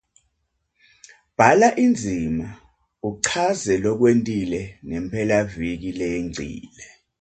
Bhala indzima uchaze lokwentile ngemphelaviki leyengcile.